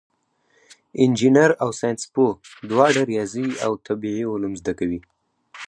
انجینر او ساینسپوه دواړه ریاضي او طبیعي علوم زده کوي.